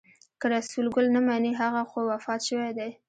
که رسول ګل نه مني هغه خو وفات شوی دی.